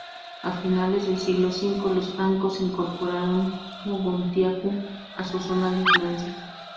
A finales del siglo V, los francos incorporaron "Mogontiacum" a su zona de influencia.